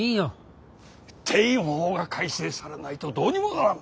定員法が改正されないとどうにもならん。